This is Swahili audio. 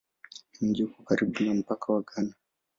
Mji uko karibu na mpaka wa Ghana.